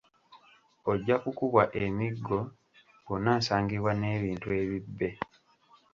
Ojja kukubwa emiggo bw’onaasangibwa n’ebintu ebibbe.